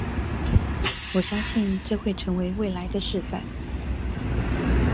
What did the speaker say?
我相信這會成為未來的示範